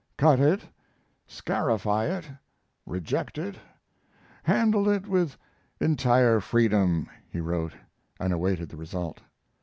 "Cut it, scarify it, reject it, handle it with entire freedom," he wrote, and awaited the result.